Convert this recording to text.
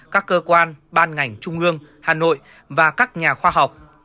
các cơ quan ban ngành trung ương hà nội và các nhà khoa học